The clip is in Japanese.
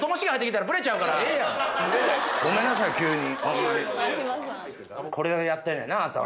ごめんなさい急に。